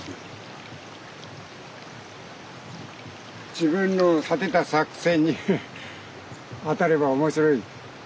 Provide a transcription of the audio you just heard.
自分の立てた作戦に当たれば面白い。